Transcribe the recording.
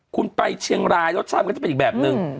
คุณไปเชียงรายรสชาติมันก็จะเป็นอีกแบบนึง